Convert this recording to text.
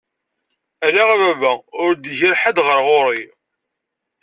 Ala a baba ur d-igir ḥed ɣer ɣur-i.